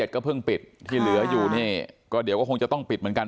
ก็เพิ่งปิดที่เหลืออยู่นี่ก็เดี๋ยวก็คงจะต้องปิดเหมือนกัน